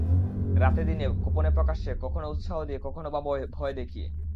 রাতে-দিনে, গোপনে-প্রকাশ্যে কখনো উৎসাহ দিয়ে, কখনো বা ভয় দেখিয়ে।